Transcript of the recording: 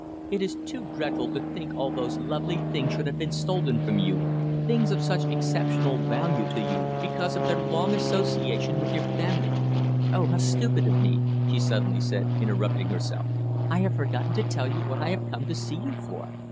"It is too dreadful to think all those lovely things should have been stolen from you, things of such exceptional value to you because of their long association with your family. Oh, how stupid of me," she suddenly said, interrupting herself, "I have forgotten to tell you what I have come to see you for.